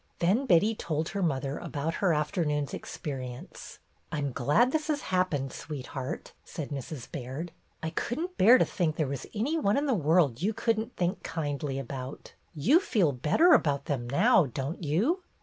Then Betty told her mother about her after noon's experience. "I 'm glad this has happened, sweetheart," said Mrs. Baird. "I couldn't bear to think there was any one in the world you could n't 64 BETTY BAIRD'S GOLDEN YEAR think kindly about. You feel better about them now, don't you